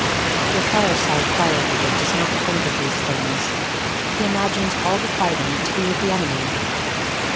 Your fireside fire eater does not think of these things. He imagines all the fighting to be with the enemy.